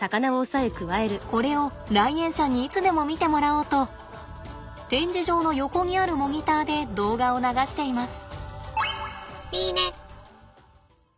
これを来園者にいつでも見てもらおうと展示場の横にあるモニターで動画を流しています。